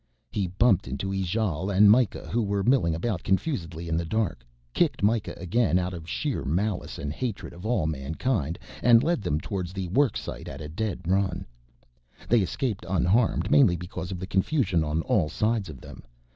He bumped into Ijale and Mikah who were milling about confusedly in the dark, kicked Mikah again out of sheer malice and hatred of all mankind, and led them towards the worksite at a dead run. They escaped unharmed mainly because of the confusion on all sides of them.